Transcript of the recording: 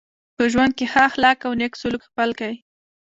په ژوند کي ښه اخلاق او نېک سلوک خپل کئ.